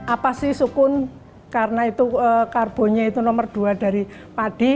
apa sih sukun karena itu karbonnya itu nomor dua dari padi